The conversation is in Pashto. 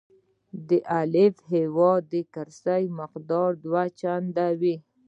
د الف هیواد د کرنسۍ مقدار دوه چنده وي.